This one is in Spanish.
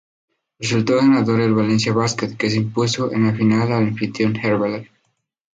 Resultó ganador el Valencia Basket, que se impuso en la final al anfitrión Herbalife.